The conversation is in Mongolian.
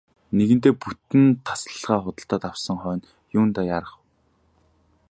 Нэгэнтээ бүтэн тасалгаа худалдаад авсан хойно юундаа яарах вэ.